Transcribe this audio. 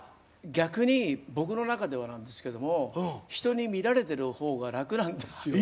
逆に僕の中ではなんですけども人に見られてるほうが楽なんですよ。